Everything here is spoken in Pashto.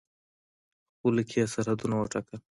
خپلو کې یې سرحدونه وټاکل.